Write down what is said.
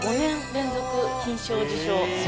５年連続金賞受賞。